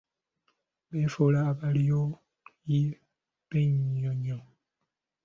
Beefula abalyoyi b'emyoyo.